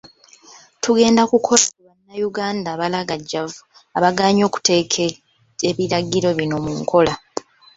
Tugenda kukola ku bannayuganda abalagajjavu abagaanye okuteeka ebiragiro bino mu nkola.